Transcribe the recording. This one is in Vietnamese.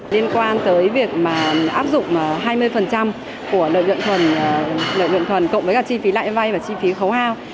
liên quan tới việc mà áp dụng hai mươi của lợi nhuận thuần lợi nhuận thuần cộng với cả chi phí lãi vay và chi phí khấu hao